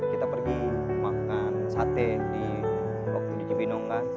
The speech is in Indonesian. kita pergi makan sate di jibinongga